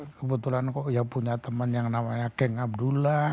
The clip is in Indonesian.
kebetulan kok ya punya teman yang namanya geng abdullah